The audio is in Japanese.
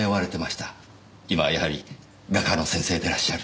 今はやはり画家の先生でいらっしゃる？